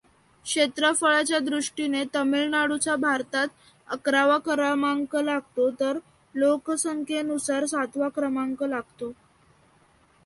क्षेत्रफळाच्या दृष्टीने तमिळनाडूचा भारतात अकरावा क्रमांक लागतो तर लोकसंख्येनुसार सातवा क्रमांक लागतो.